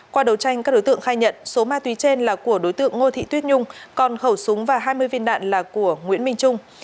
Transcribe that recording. qua đấu tranh các đối tượng khai nhận số ma túy trên là của đối tượng ngô thị tuyết nhung còn khẩu súng và hai mươi viên đạn là của nguyễn minh trung